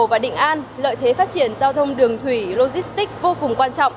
hồ và định an lợi thế phát triển giao thông đường thủy logistic vô cùng quan trọng